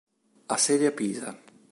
Ha sede a Pisa.